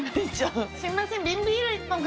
すみません！